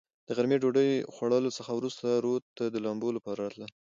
د غرمې ډوډوۍ خوړلو څخه ورورسته رود ته د لمبو لپاره راتلل.